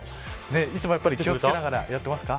いつも気を付けながらやってますか。